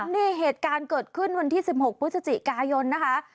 นี่เหตุการณ์เกิดขึ้นวันที่๑๖พฤศจิกายนนะคะ